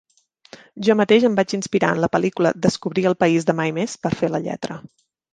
Jo mateix em vaig inspirar en la pel·lícula Descobrir el País de Mai Més per fer la lletra.